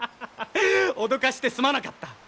脅かしてすまなかった。